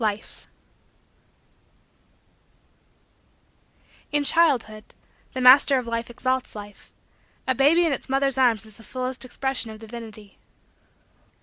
LIFE In childhood, the Master of Life exalts Life. A baby in its mother's arms is the fullest expression of Divinity.